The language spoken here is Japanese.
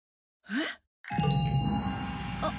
えっ！